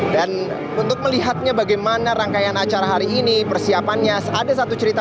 dan untuk melihatnya bagaimana rangkaian acara hari ini persiapannya